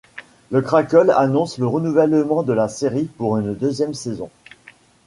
Le Crackle annonce le renouvellement de la série pour une deuxième saison.